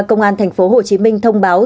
công an tp hcm thông báo